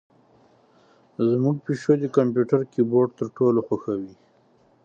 زمونږ پیشو د کمپیوتر کیبورډ تر ټولو خوښوي.